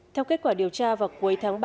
theo kết quả điều tra vào cuối tháng ba